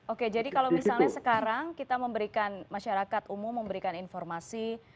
oke jadi kalau misalnya sekarang kita memberikan masyarakat umum memberikan informasi